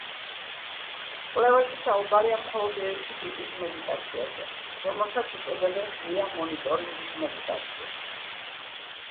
კვლევაში საუბარია მხოლოდ ერთი ტიპის მედიტაციაზე, რომელსაც უწოდებენ ღია მონიტორინგის მედიტაციას.